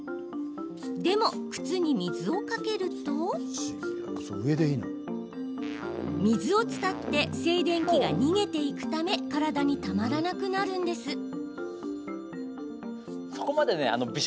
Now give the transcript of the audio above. でも、靴に水をかけると水を伝って静電気が逃げていくため体にたまらなくなるんです。